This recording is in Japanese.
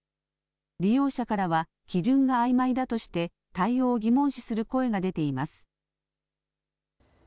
利用者からは基準があいまいだとして対応を疑問視する声が出ています。